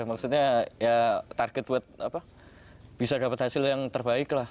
maksudnya ya target buat apa bisa dapat hasil yang terbaik lah